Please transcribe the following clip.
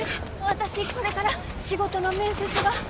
私これから仕事の面接が。